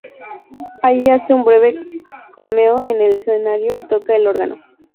Allí hace un breve cameo en el escenario y toca el órgano.